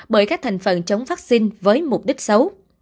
bởi các thành phần chống vaccine với mục đích xấu